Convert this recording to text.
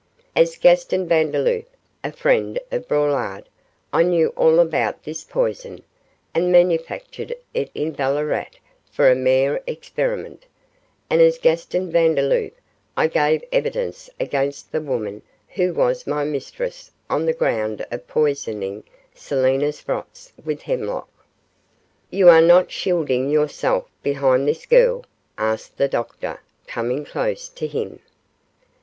As Gaston Vandeloup, a friend of Braulard, I knew all about this poison, and manufactured it in Ballarat for a mere experiment, and as Gaston Vandeloup I give evidence against the woman who was my mistress on the ground of poisoning Selina Sprotts with hemlock.' 'You are not shielding yourself behind this girl?' asked the doctor, coming close to him.